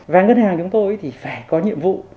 và ngân hàng chúng tôi thì phải có nhiệm vụ